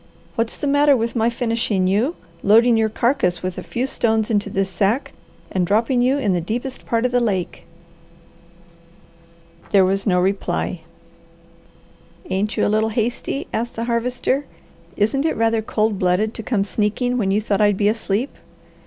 What's the matter with my finishing you, loading your carcass with a few stones into this sack, and dropping you in the deepest part of the lake." There was no reply. "Ain't you a little hasty?" asked the Harvester. "Isn't it rather cold blooded to come sneaking when you thought I'd be asleep?